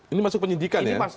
ini masuk penyidikan ya